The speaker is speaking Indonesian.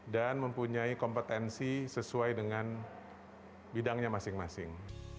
dan mempunyai kompetensi sesuai dengan bidangnya masing masing